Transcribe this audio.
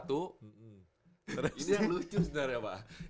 ini yang lucu sebenarnya pak